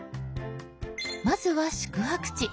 まずは「宿泊地」。